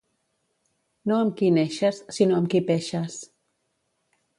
No amb qui neixes, sinó amb qui peixes.